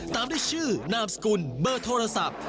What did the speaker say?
ตามด้วยชื่อนามสกุลเบอร์โทรศัพท์